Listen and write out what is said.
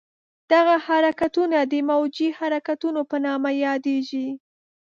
دغه حرکتونه د موجي حرکتونو په نامه یادېږي.